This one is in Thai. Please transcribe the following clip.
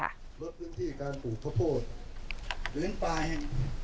และพื้นที่การปลูกประโพธิหรือเปล่า